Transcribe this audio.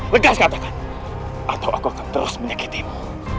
legas katakan atau aku akan terus menyakitimu